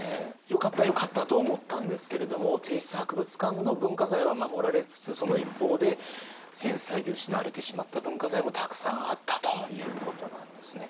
よかったよかったとは思ったんですけれども帝室博物館の文化財は守られつつその一方で戦災で失われてしまった文化財もたくさんあったということなんですね。